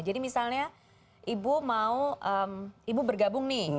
jadi misalnya ibu mau ibu bergabung nih